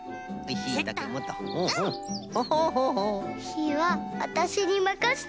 ひはわたしにまかせて！